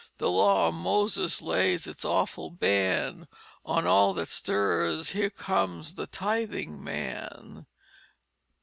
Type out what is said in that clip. The law of Moses lays its awful ban On all that stirs. Here comes the Tithing man."